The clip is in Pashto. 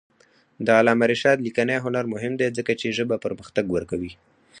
د علامه رشاد لیکنی هنر مهم دی ځکه چې ژبه پرمختګ ورکوي.